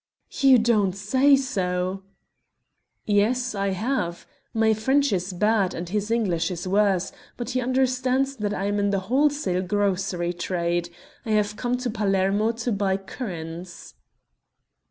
"You don't say so!" "Yes, I have. My French is bad, and his English is worse, but he understands that I am in the wholesale grocery trade. I have come to Palermo to buy currants!"